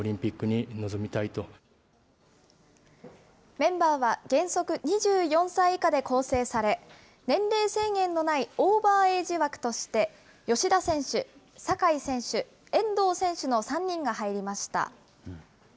メンバーは原則２４歳以下で構成され、年齢制限のないオーバーエイジ枠として、吉田選手、酒井選手、遠藤選手の３人が入りました。